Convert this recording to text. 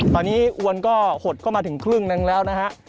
ตอนนี้อวนก็หดเข้ามาถึงครึ่งหนึ่งแล้วนะฮะ